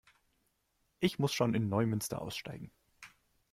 Ich muss schon in Neumünster aussteigen